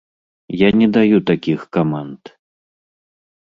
Я не даю такіх каманд!